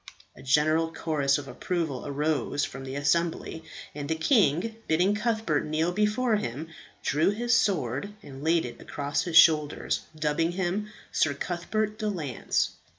A general chorus of approval arose from the assembly, and the king, bidding Cuthbert kneel before him, drew his sword and laid it across his shoulders, dubbing him Sir Cuthbert de Lance.